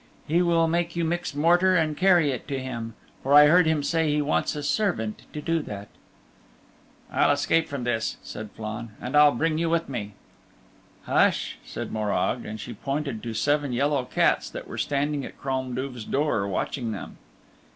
He'll make you mix mortar and carry it to him, for I heard him say he wants a servant to do that." "I'll escape from this," said Flann, "and I'll bring you with me." "Hush," said Morag, and she pointed to seven yellow cats that were standing at Crom Duv's door, watching them.